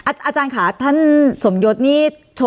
อาจารย์ค่ะท่านสมยศนี่